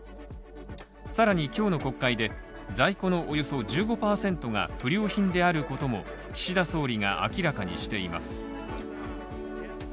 さらに今日の国会で、在庫のおよそ１５％が不良品であることも岸田総理が明らかにしています。